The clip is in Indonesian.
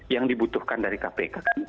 yang dibutuhkan dari kpk kan